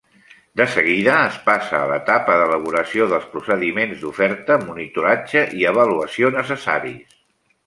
De seguida, es passa a l'etapa d'elaboració dels procediments d'oferta, monitoratge i avaluació necessaris.